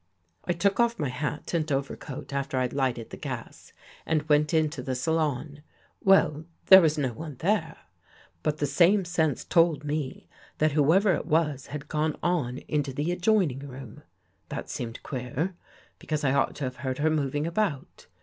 " I took off my hat and overcoat after I'd lighted the gas, and went Into the salon. Well, there was no one there. But the same sense told me that who ever it was had gone on Into the adjoining room. That seemed queer, because I ought to have heard her moving about.